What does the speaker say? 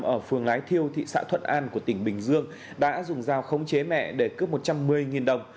ở phường lái thiêu thị xã thuận an của tỉnh bình dương đã dùng dao khống chế mẹ để cướp một trăm một mươi đồng